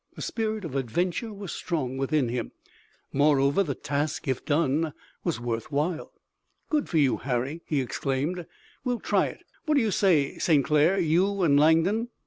The spirit of adventure was strong within him. Moreover the task, if done, was worth while. "Good for you, Harry," he exclaimed. "We'll try it! What do you say, St. Clair, you and Langdon?"